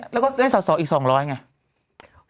แล้วก็ได้สอสออีก๒๐๐ไง